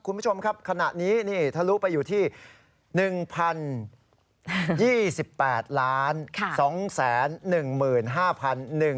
คุณผู้ชมครับขณะนี้นี่ทะลุไปอยู่ที่๑๐๒๘๒๑๕บาท